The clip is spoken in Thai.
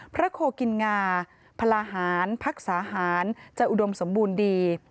โคกินงาพลาหารพักษาหารจะอุดมสมบูรณ์ดี